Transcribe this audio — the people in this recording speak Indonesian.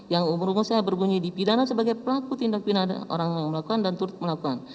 yang umur umur saya berbunyi di pidana sebagai pelaku tindak pidana orang yang melakukan dan turut melakukan